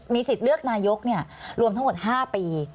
สิทธิ์เลือกนายกรวมทั้งหมด๕ปี